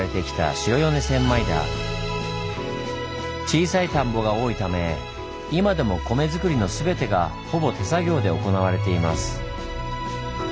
小さい田んぼが多いため今でも米作りの全てがほぼ手作業で行われています。